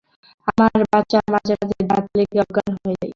আমার বাচ্চা মাঝে মাঝে দাঁত লেগে অজ্ঞান হয়ে যায়।